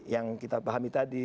yang kita pahami tadi